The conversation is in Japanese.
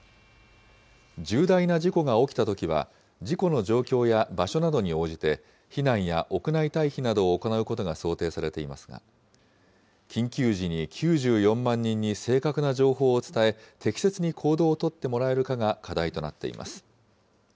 重大な事故が起きたときは、事故の状況や場所などに応じて、避難や屋内退避などを行うことが想定されていますが、緊急時に９４万人に正確な情報を伝え、適切に行動を取ってもらえるかが課題となっています。